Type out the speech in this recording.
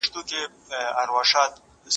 د چا حق مه لتاړئ.